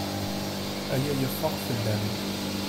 Aya yeffeɣ fell-am.